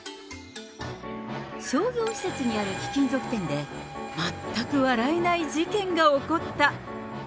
商業施設にある貴金属店で、全く笑えない事件が起こった。